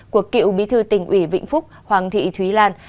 của cựu bí thư tỉnh ủy vĩnh phúc hoàng thị thúy lan